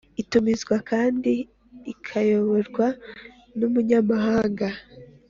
itumizwa kandi ikayoborwa n Umunyamabanga